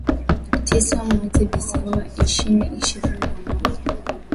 tisa mwezi Disemba ishini ishirni na moja